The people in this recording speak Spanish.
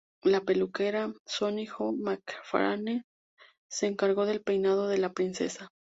La peluquera Sonny-Jo MacFarlane se encargó del peinado de la princesa.